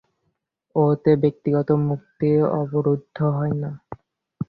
ওতে ব্যক্তিগত মুক্তি অবরুদ্ধ হয় না।